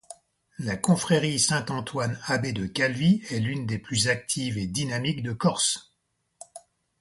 La confrérie Saint-Antoine-Abbé de Calvi est l'une des plus actives et dynamiques de Corse.